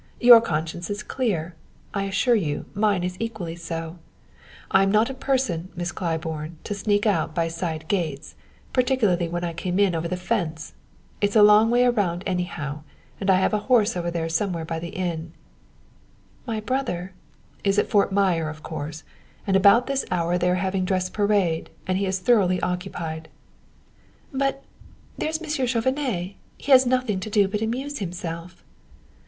Your conscience is clear I assure you mine is equally so! And I am not a person, Miss Claiborne, to sneak out by side gates particularly when I came over the fence! It's a long way around anyhow and I have a horse over there somewhere by the inn." "My brother " "Is at Fort Myer, of course. At about this hour they are having dress parade, and he is thoroughly occupied." "But there is Monsieur Chauvenet. He has nothing to do but amuse himself."